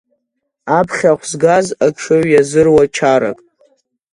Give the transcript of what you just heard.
Аԥхьахә згаз аҽыҩ иазыруа чарак…